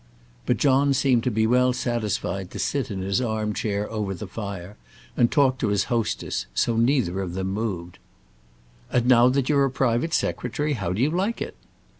But John seemed to be well satisfied to sit in the arm chair over the fire, and talk to his hostess; so neither of them moved. "And now that you're a private secretary, how do you like it?"